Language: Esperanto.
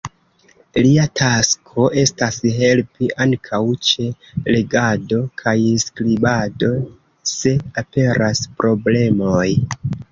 Lia tasko estas helpi ankaŭ ĉe legado kaj skribado, se aperas problemoj.